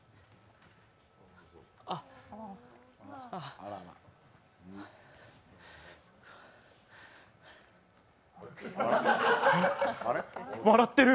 あっ笑ってる！